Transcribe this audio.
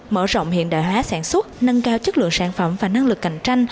mở rộng hiện đại hóa sản xuất nâng cao chất lượng sản phẩm và năng lực cạnh tranh